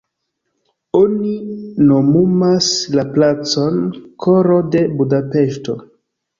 Oni nomumas la placon "koro de Budapeŝto".